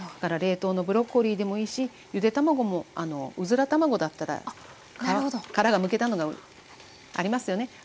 冷凍のブロッコリーでもいいしゆで卵もあのうずら卵だったら殻がむけたのがありますよね。